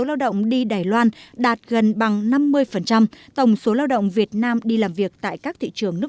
lao động đi đài loan đạt gần bằng năm mươi tổng số lao động việt nam đi làm việc tại các thị trường nước